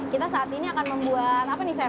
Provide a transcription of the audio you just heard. kita saat ini akan membuat apa nih chef